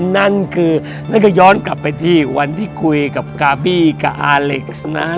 นั่นก็ย้อนกลับไปที่วันที่คุยกับกาบี่กับอาเล็กซ์